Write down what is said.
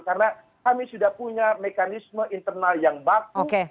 karena kami sudah punya mekanisme internal yang baku